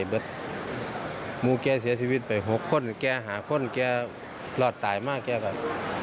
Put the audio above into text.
เพราะฉะนั้นเสียทั้งยานลูกเป็นอันตรายนะครับ